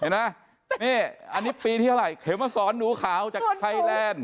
เห็นมะอันนี้ปีที่เท่าไรเข็มมาสอนหนูขาวจากไทยแล้น